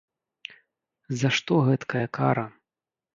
За што гэткая кара?